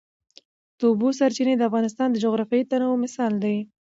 د اوبو سرچینې د افغانستان د جغرافیوي تنوع مثال دی.